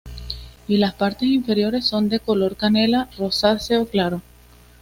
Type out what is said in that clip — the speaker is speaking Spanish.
Y las partes inferiores son de color canela rosáceo claro.